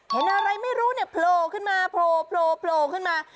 เห็นอะไรไม่รู้เนี่ยโผล่ขึ้นมาโผล่ขึ้นมา